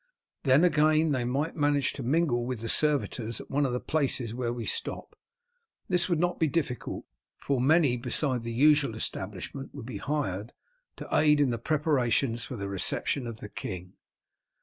Then again, they might manage to mingle with the servitors at one of the places where we stop. This would not be difficult, for many beside the usual establishment would be hired to aid in the preparations for the reception of the king.